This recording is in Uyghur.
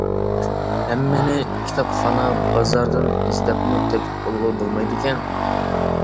ھەممىنى كىتابخانا، بازاردىن ئىزدەپمۇ تېپىپ بولغىلى بولمايدىكەن.